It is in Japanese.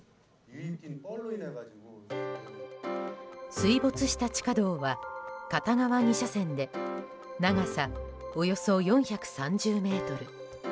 水没した地下道は片側２車線で長さおよそ４３０ｍ。